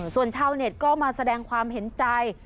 ส่วนชาวเน็ตก็มาแสดงความเห็นใจ